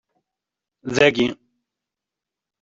Dagi.